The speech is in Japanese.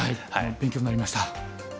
勉強になりました。